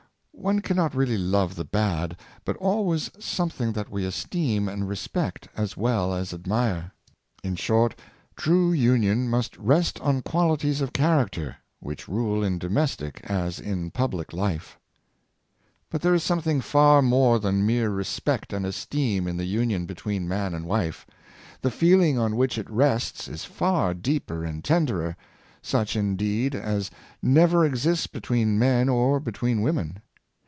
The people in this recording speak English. '' One cannot really love the bad, but always something that we esteem and respect as well as admire. In short, true union must rest on qualities of character, which rule in domestic as in public life. But there is something far more than mrere respect and esteem in the union between man and wife. The feeling on which it rests is far deeper and tenderer — such, indeed, as never exists between m^n or between women.